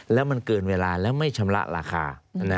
แล้วมันเกินเวลาแล้วไม่ชำระราคา